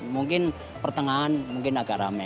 mungkin pertengahan mungkin agak rame